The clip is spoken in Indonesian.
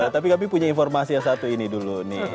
tapi kami punya informasi yang satu ini dulu nih